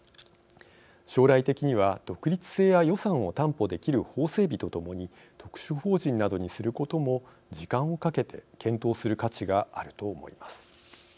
将来的には、独立性や予算を担保出来る法整備と共に特殊法人などにすることも時間をかけて検討する価値があると思います。